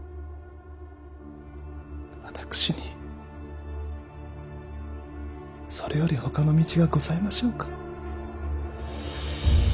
私にそれよりほかの道がございましょうか。